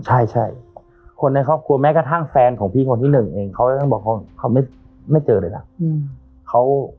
ใช่คนในครอบครัวแม้กระทั่งแฟนของพี่คนที่หนึ่งเองเขาจะต้องบอกว่าเขาไม่เจอเลยนะ